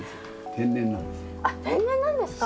天然なんですか？